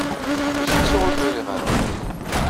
D acu i ttuɣ ur t-uriɣ ara?